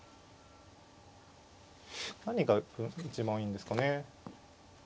何が一番いいんですかね。